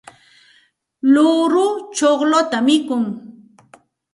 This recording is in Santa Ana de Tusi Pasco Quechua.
luuru chuqlluta mikun.